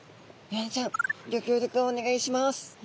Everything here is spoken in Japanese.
イワナちゃんギョ協力をお願いします。